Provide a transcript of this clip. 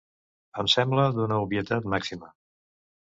Em sembla d’una obvietat màxima.